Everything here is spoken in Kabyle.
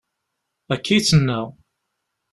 Akka i d-tenna.